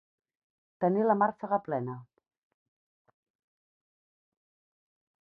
Tenir la màrfega plena.